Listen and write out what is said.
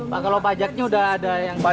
pak kalau pajaknya udah ada yang pajak